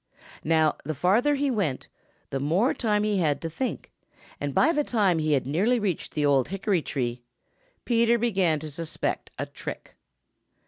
Now the farther he went, the more time he had to think, and by the time he had nearly reached the old hickory tree, Peter began to suspect a trick.